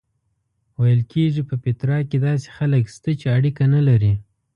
ویل کېږي په پیترا کې داسې خلک شته چې اړیکه نه لري.